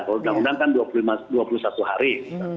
kalau undang undang kan dua puluh satu hari